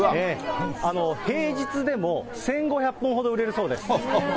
平日でも１５００本ほど売れるそうです。